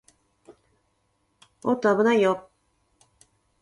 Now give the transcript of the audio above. おーっと、あぶないよー